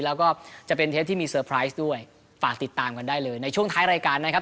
แล้วก็จะเป็นเทปที่มีเซอร์ไพรส์ด้วยฝากติดตามกันได้เลยในช่วงท้ายรายการนะครับ